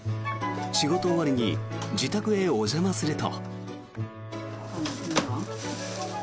仕事終わりに自宅へお邪魔すると。